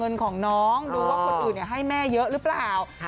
ลืมว่าคนอื่นให้แม่เยอะหรือเปล่า